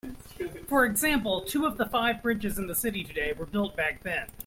For example, two of the five bridges in the city today were built back then.